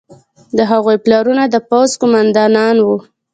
د هغوی پلرونه د پوځ قوماندانان وو.